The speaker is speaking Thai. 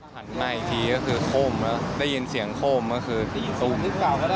หันมาอีกทีก็คือโคมแล้วได้ยินเสียงโคมก็คือตูม